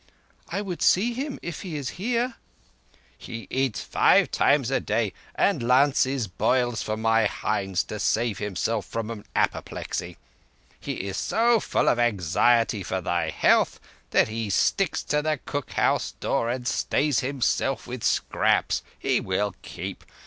"I would see him if he is here." "He eats five times a day, and lances boils for my hinds to save himself from an apoplexy. He is so full of anxiety for thy health that he sticks to the cook house door and stays himself with scraps. He will keep.